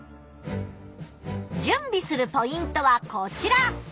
じゅんびするポイントはこちら！